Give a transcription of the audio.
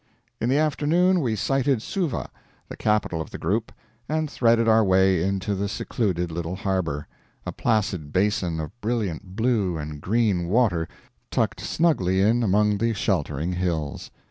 In the afternoon we sighted Suva, the capital of the group, and threaded our way into the secluded little harbor a placid basin of brilliant blue and green water tucked snugly in among the sheltering hills.